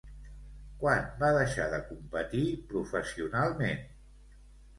Quan va deixar de competir professionalment?